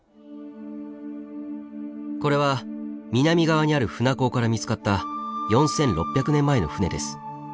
これは南側にある舟坑から見つかった４６００年前の船です。